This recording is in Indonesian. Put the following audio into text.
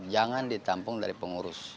jangan ditampung dari pengurus